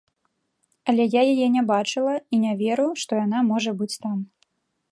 Але я яе не бачыла і не веру, што яна можа быць там.